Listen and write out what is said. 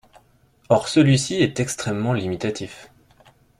Or celui-ci est extrêmement limitatif.